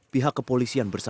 pihak kepolisian berkata